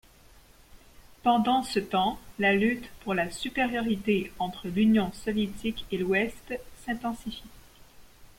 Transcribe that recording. Pendant ce temps, la lutte pour la supériorité entre l’Union soviétique et l’Ouest s’intensifie.